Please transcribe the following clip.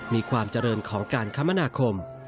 มีความเจริญของการคมนาคม